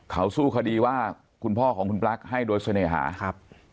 เขาสู้คดีว่าคุณพ่อของคุณปลั๊กให้โดยเสน่หาครับ